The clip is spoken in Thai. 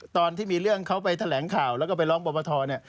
ตอนที่มีเรื่องเขาไปแถลงข่าวแล้วก็ไปร้องปรปทเนี่ย